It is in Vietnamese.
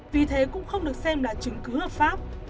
vì thế cũng không được xem là chứng cứ hợp pháp